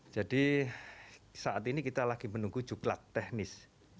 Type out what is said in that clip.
jadi saat ini kita lagi menunggu juklat teknis